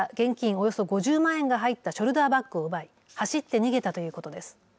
およそ５０万円が入ったショルダーバッグを奪い走って逃げたということです。